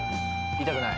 痛くない？